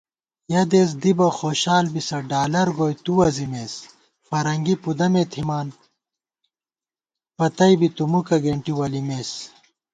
یَہ دېس دِبہ خوشال بِسہ ڈالرگوئی تُو وَزِمېس * فرنگی پُدَمےتھِمان پتئبی تُومُکہ گېنٹی ولِمېس